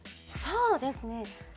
そうですね。